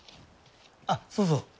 あっそうそう。